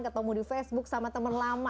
ketemu di facebook sama teman lama